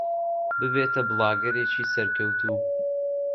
ببێتە بڵاگەرێکی سەرکەوتوو.